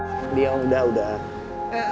apaan dia udah udah